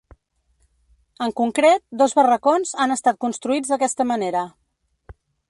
En concret, dos barracons han estat construïts d'aquesta manera.